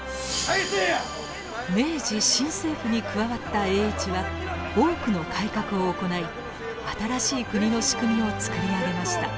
明治新政府に加わった栄一は多くの改革を行い新しい国の仕組みを作り上げました。